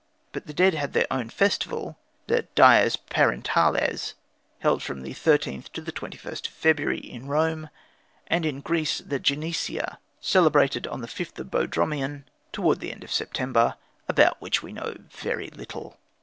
But the dead had their own festival, the "Dies Parentales," held from the 13th to the 21st of February, in Rome; and in Greece the "Genesia," celebrated on the 5th of Boedromion, towards the end of September, about which we know very little.